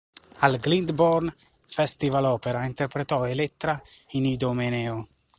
Al Glyndebourne Festival Opera interpretò Elettra in "Idomeneo".